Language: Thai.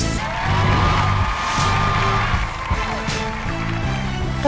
สวัสดีครับ